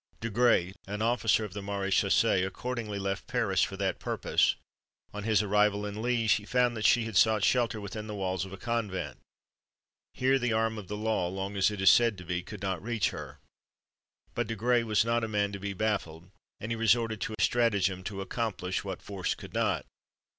Desgrais, an officer of the maréchaussée, accordingly left Paris for that purpose. On his arrival in Liège, he found that she had sought shelter within the walls of a convent. Here the arm of the law, long as it is said to be, could not reach her: but Desgrais was not a man to be baffled, and he resorted to stratagem to accomplish what force could not.